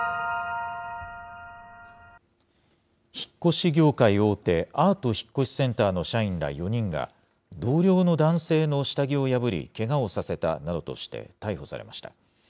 引っ越し業界大手、アート引越センターの社員ら４人が、同僚の男性の下着を破り、けがをさせたなどとして、逮捕されました。